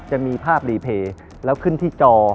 จะมีภาพรีเพย์แล้วขึ้นที่จอ